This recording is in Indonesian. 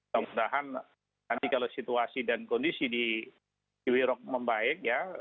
semoga nanti kalau situasi dan kondisi di kiwirok membaik ya